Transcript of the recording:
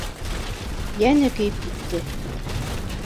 Йәне көйөп китте.